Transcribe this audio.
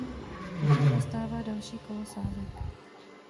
Poté nastává další kolo sázek.